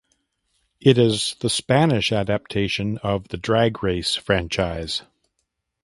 It is the Spanish adaptation of the "Drag Race" franchise.